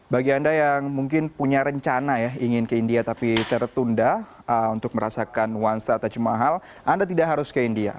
bagi anda yang mungkin punya rencana ya ingin ke india tapi tertunda untuk merasakan nuansa taj mahal anda tidak harus ke india